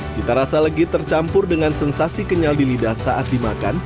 cita rasa legit tercampur dengan sensasi kenyal di lidah saat dimakan